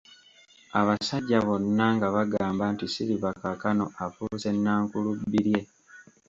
Abasajja bonna nga bagamba nti Silver kaakano afuuse nnankulubbirye.